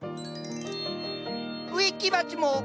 植木鉢も。